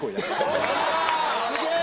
すげえ！